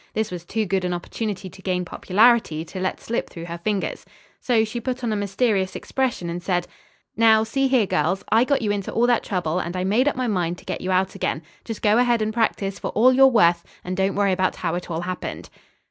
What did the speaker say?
This was too good an opportunity to gain popularity to let slip through her fingers So she put on a mysterious expression and said: "Now, see here, girls, I got you into all that trouble, and I made up my mind to get you out again. Just go ahead and practise for all your worth, and don't worry about how it all happened."